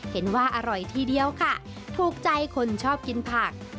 เห็นว่าอร่อยทีเดียวค่ะถูกใจคนชอบกินผัก